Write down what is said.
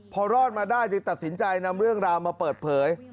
พอรอดมาได้จึงตัดสินใจนำเรื่องราวมาเปิดเผย